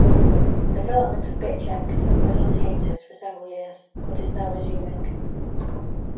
Development of BitchX was on hiatus for several years but is now resuming.